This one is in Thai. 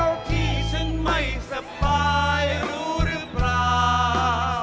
แล้วที่ฉันไม่สบายรู้รึเปล่า